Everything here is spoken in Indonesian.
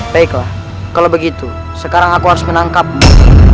baiklah kalau begitu sekarang aku harus menangkapmu